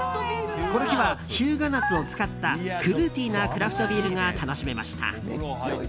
この日は日向夏を使ったフルーティーなクラフトビールが楽しめました。